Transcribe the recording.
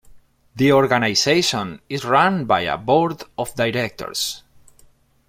The organization is run by a Board of Directors.